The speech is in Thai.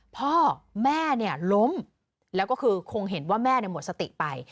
พ่อแม่เนี่ยล้มแล้วก็คือคงเห็นว่าแม่หมดสติไป